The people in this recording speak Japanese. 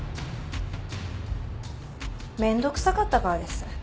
面倒くさかったからです。